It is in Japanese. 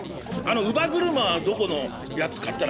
「乳母車はどこのやつ買ったらいいんだ？」